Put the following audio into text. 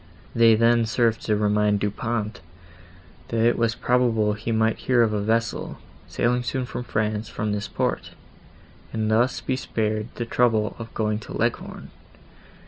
They then served to remind Du Pont, that it was probable he might hear of a vessel, sailing soon to France from this port, and thus be spared the trouble of going to Leghorn.